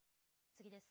次です。